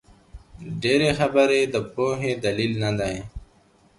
ډېري خبري د پوهي دلیل نه دئ.